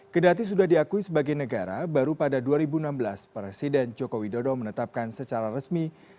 kedati sudah diakui sebagai negara baru pada dua ribu enam belas presiden joko widodo menetapkan secara resmi